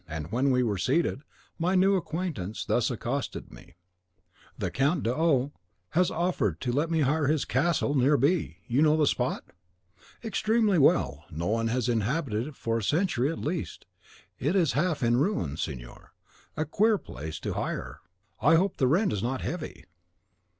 When we were seated, my new acquaintance thus accosted me: 'The Count d'O has offered to let me hire his old castle near B . You know the spot?' "'Extremely well; no one has inhabited it for a century at least; it is half in ruins, signor. A queer place to hire; I hope the rent is not heavy.